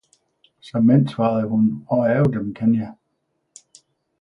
Ja såmænd, svarede hun, og ave dem kan jeg!